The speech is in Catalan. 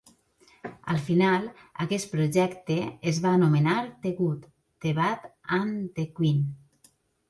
Al final, aquest projecte es va anomenar The Good, the Bad and the Queen.